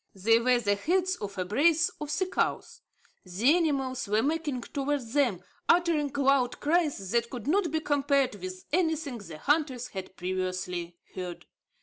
They were the heads of a brace of sea cows. The animals were making towards them, uttering loud cries that could not be compared with anything the hunters had previously heard.